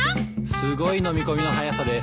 すごいのみ込みの早さです！